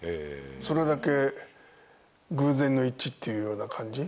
それだけ偶然の一致っていうような感じ。